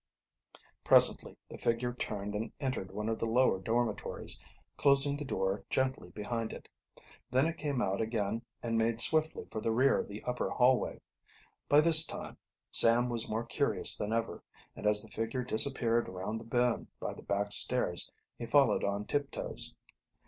Presently the figure turned and entered one of the lower dormitories, closing the door gently behind it. Then it came out again and made swiftly for the rear of the upper hallway. By this time Sam was more curious than ever, and as the figure disappeared around the bend by the back stairs he followed on tiptoes.